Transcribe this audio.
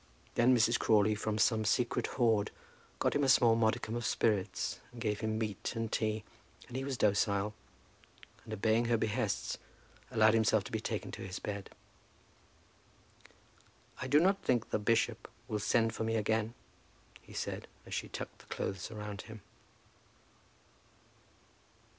Then Mrs. Crawley, from some secret hoard, got him a small modicum of spirits, and gave him meat and tea, and he was docile; and, obeying her behests, allowed himself to be taken to his bed. "I do not think the bishop will send for me again," he said, as she tucked the clothes around him.